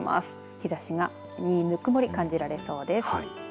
日ざしにぬくもりが感じられそうです。